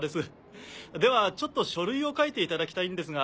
ではちょっと書類を書いていただきたいんですが。